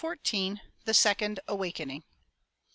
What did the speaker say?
THE SECOND AWAKENING.